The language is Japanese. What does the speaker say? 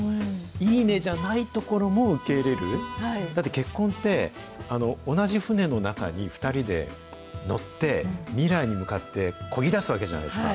いいねじゃないところも受け入れる、だって、結婚って、同じ船の中に２人で乗って、未来に向かってこぎ出すわけじゃないですか。